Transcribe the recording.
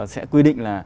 sẽ quy định là